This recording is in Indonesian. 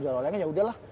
jualan yang lain yaudah lah